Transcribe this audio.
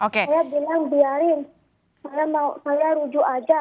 saya bilang biarin saya rujuk aja